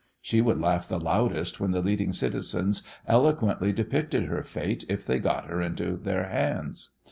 She would laugh the loudest when the leading citizens eloquently depicted her fate if they got her into their hands.